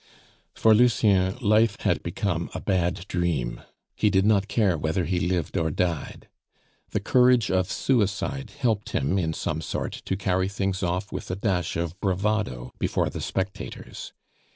For Lucien, life had become a bad dream. He did not care whether he lived or died. The courage of suicide helped him in some sort to carry things off with a dash of bravado before the spectators.